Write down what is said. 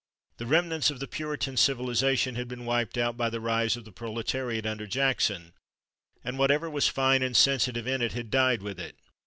The remnants of the Puritan civilization had been wiped out by the rise of the proletariat under Jackson, and whatever was fine and sensitive in it had died with it.